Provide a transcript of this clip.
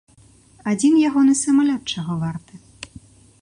Адзін ягоны самалёт чаго варты!